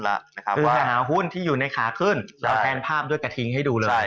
หาหุ้นอยู่ในขาขึ้นเราแทำภาพด้วยกระทิ้งให้ดูเลย